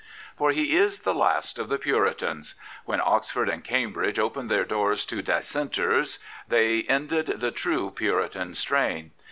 For he is the last of the Puritans. When Oxford and Cambridge opened their doors to Dissenters they ended the true Pixritan strain.